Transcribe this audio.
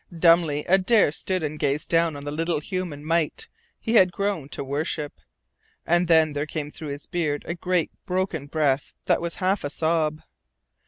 Dumbly Adare stood and gazed down on the little human mite he had grown to worship. And then there came through his beard a great broken breath that was half a sob.